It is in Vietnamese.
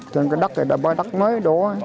cho nên cái đất này là bãi đất mới đố